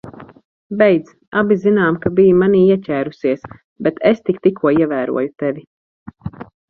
Beidz. Abi zinām, ka biji manī ieķērusies, bet es tik tikko ievēroju tevi.